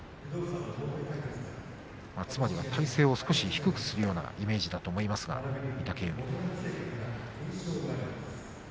つまりは体勢を少し低くするようなイメージだと思います、御嶽海。